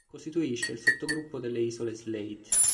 Costituisce il sottogruppo delle isole Slate.